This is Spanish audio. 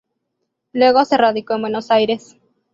Luego se radicó en Buenos Aires.